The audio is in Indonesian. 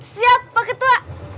siap pak ketua